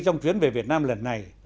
trong chuyến về việt nam lần này